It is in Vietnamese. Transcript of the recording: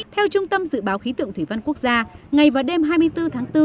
theo trung tâm dự báo khí tượng thủy văn quốc gia ngày và đêm hai mươi bốn tháng bốn